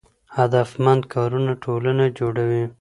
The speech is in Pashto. هدفمند کارونه ټولنه جوړوي.